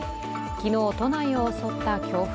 昨日、都内を襲った強風。